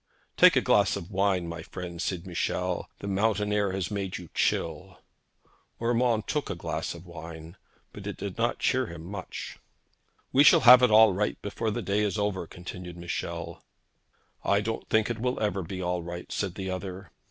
'Take a glass of wine, my friend,' said Michel. 'The mountain air has made you chill.' Urmand took the glass of wine, but it did not cheer him much. 'We shall have it all right before the day is over,' continued Michel. 'I don't think it will ever be all right,' said the other.